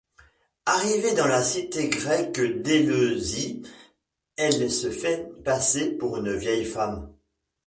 Arrivée dans la cité grecque d'Éleusis, elle se fait passer pour une vieille femme.